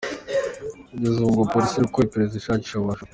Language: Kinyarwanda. Kugeza ubu ngo Police iri gukora iperereza ishakisha aba bajura.